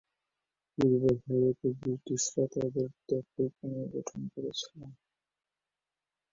পূর্ব ভারতে ব্রিটিশরা তাদের দখল পুনর্গঠন করছিল।